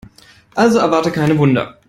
Also erwarte keine Wunder.